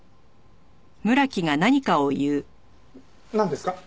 なんですか？